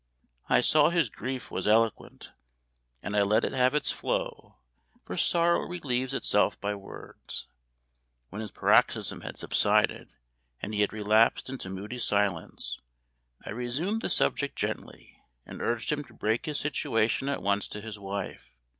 I saw his grief was eloquent, and I let it have its flow; for sorrow relieves itself by words. When his paroxysm had subsided, and he had relapsed into moody silence, I resumed the subject gently, and urged him to break his situation at once to his wife.